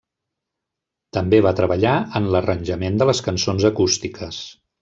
També va treballar en l'arranjament de les cançons acústiques.